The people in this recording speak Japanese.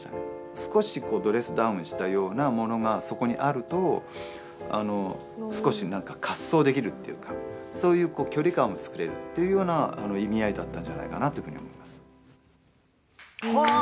少しドレスダウンしたようなものが、そこにあると少し滑走できるっていうかそういう距離感を作れるっていうような意味合いだったんじゃないかなというふうに思います。